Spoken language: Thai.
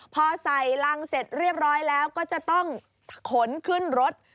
พอใส่รังเสร็จเรียบร้อยแล้วก็จะต้องขนขึ้นรถ